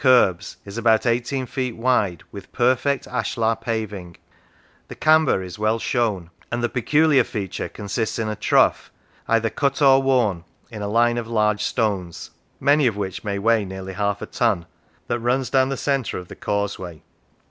The road, with kerbs, is about eighteen feet wide, with perfect ashlar paving; the camber is well shown; and the peculiar feature consists in a trough, either cut or worn, in a line of large stones (many of which may weigh nearly half a ton) that runs down the centre of the causeway.